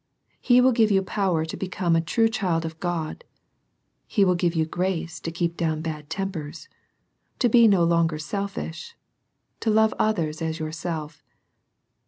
He will give you power to become a true child of God. He will give you grace to keep down bad tempers, — to be no longer selfish, — ^to love others as your self.